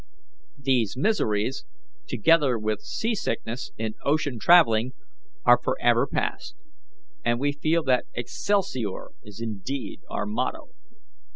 These miseries, together with sea sickness in ocean travelling, are forever passed, and we feel that 'Excelsior!' is indeed our motto.